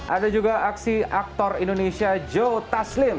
ada juga aksi aktor indonesia joe taslim